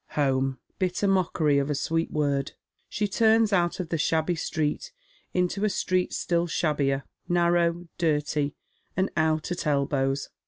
Home ! bitter mockery of a sweet word. She turns out of the phabby street into a street still shabbier, narrow, dirty, and out at elbows.